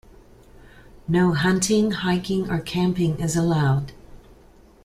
No hunting, hiking, or camping is allowed.